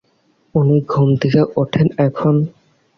উনি ঘুম থেকে ওঠেন কখন?